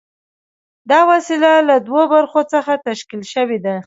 دا وسیله له دوو برخو څخه تشکیل شوې ده.